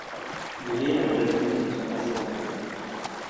Greer lui répond que ce ne sont pas ses affaires.